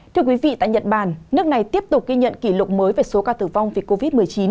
thưa quý vị tại nhật bản nước này tiếp tục ghi nhận kỷ lục mới về số ca tử vong vì covid một mươi chín